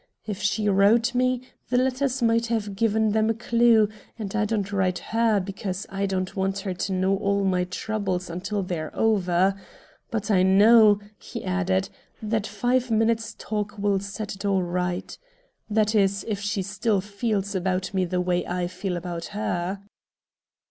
"If she wrote me, the letters might give them a clew, and I don't write HER because I don't want her to know all my troubles until they're over. But I know," he added, "that five minutes' talk will set it all right. That is, if she still feels about me the way I feel about her."